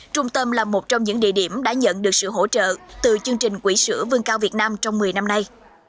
trung tâm là một trong những địa điểm đã nhận được sự hỗ trợ từ chương trình quỹ sửa vương cao việt nam trong một mươi năm nay